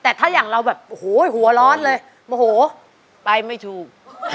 แต่ถ้าอย่างเราแบบโอ้โหหัวร้อนเลยโมโหไปไม่ถูก